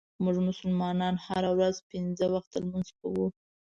مونږ مسلمانان هره ورځ پنځه وخته لمونځ کوو.